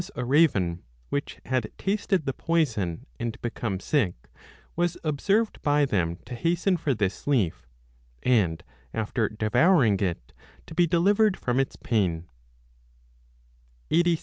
a raven, which had tasted the poison, and become sick, was observed by them to hasten for this leaf, and, after devouring it, to be delivered from its pain.